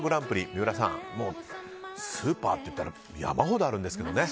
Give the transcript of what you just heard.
三浦さん、スーパーっていったら山ほどあるんですね。